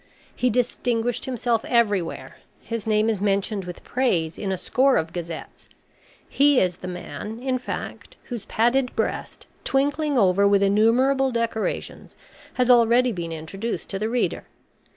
He distinguished himself everywhere: his name is mentioned with praise in a score of Gazettes: he is the man, in fact, whose padded breast, twinkling over with innumerable decorations, has already been introduced to the reader.